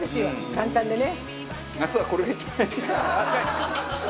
簡単でね。